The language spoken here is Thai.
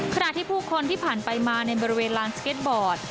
ขณะที่ผู้คนที่ผ่านไปมาในบริเวณลานสเก็ตบอร์ด